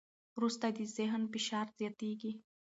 وروسته د ذهن فشار زیاتېږي.